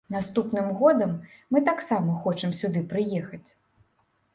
Наступным годам мы таксама хочам сюды прыехаць.